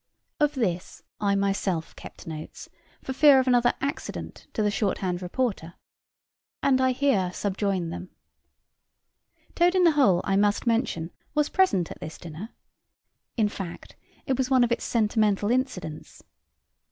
Of this I myself kept notes, for fear of another accident to the short hand reporter. And I here subjoin them. Toad in the hole, I must mention, was present at this dinner. In fact, it was one of its sentimental incidents.